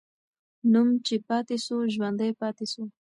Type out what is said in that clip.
نوم چې پاتې سو، ژوندی پاتې سو.